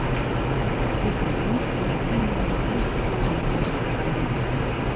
Ik bin bliid dat de oannimmer mei dizze oplossing oansetten kaam.